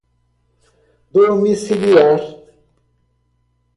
domiciliar